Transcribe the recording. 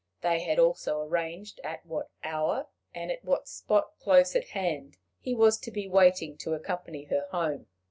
They had also arranged at what hour, and at what spot close at hand, he was to be waiting to accompany her home.